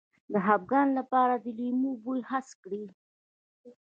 د خپګان لپاره د لیمو بوی حس کړئ